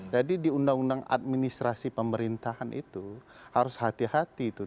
jadi di undang undang administrasi pemerintahan itu harus hati hati itu